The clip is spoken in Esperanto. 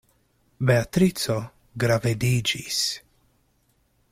Beatrico gravediĝis.